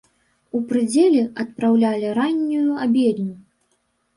У прыдзеле адпраўлялі раннюю абедню.